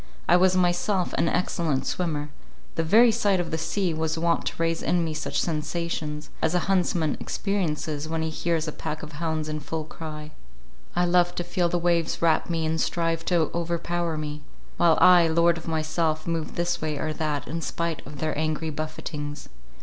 I was myself an excellent swimmer—the very sight of the sea was wont to raise in me such sensations, as a huntsman experiences, when he hears a pack of hounds in full cry; I loved to feel the waves wrap me and strive to overpower me; while I, lord of myself, moved this way or that, in spite of their angry buffetings.